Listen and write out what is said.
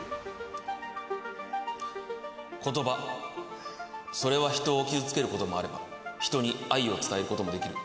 言葉それは人を傷つけることもあれば人に愛を伝えることもできる。